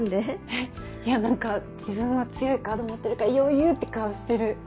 えいやなんか自分は強いカード持ってるから余裕って顔してる。